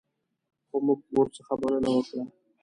خو موږ ورڅخه مننه وکړه.